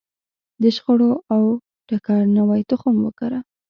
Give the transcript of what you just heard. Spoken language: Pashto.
د شخړو او ټکر نوی تخم وکره.